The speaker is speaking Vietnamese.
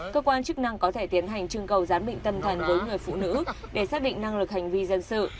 cơ quan chức năng có thể tiến hành chương cầu gián bịnh tâm thần với người phụ nữ để xác định năng lực hành vi dân sự